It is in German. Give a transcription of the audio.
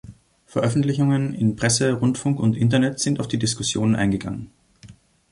Veröffentlichungen in Presse, Rundfunk und Internet sind auf die Diskussionen eingegangen.